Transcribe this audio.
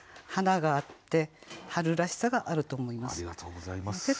華があって春らしさがあると思います。